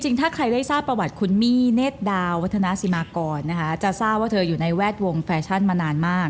ถ้าใครได้ทราบประวัติคุณมี่เนธดาวัฒนาสิมากรนะคะจะทราบว่าเธออยู่ในแวดวงแฟชั่นมานานมาก